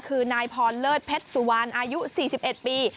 คือนายพรเลิศเพชรสุวรรณอายุ๔๑ปี